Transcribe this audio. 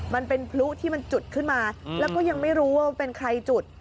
มันเป็นพลุที่มันจุดขึ้นมาแล้วก็ยังไม่รู้ว่าเป็นใครจุด